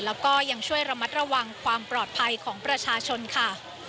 แล้วก็ยังช่วยระมัดระวังความปลอดภัยของประชาชนค่ะ